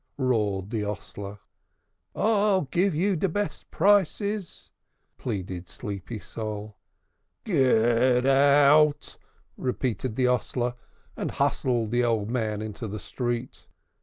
roared the hostler. "I'll give you de best prices," pleaded Sleepy Sol. "Get out!" repeated the hostler and hustled the old man into the street.